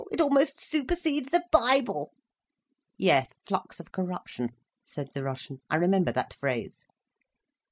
It almost supersedes the Bible—" "Yes—Flux of Corruption," said the Russian, "I remember that phrase."